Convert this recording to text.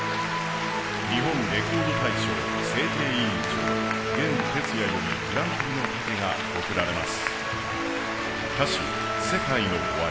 日本レコード大賞制定委員長、弦哲也よりグランプリの盾が贈られます。